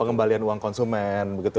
pengembalian uang konsumen begitu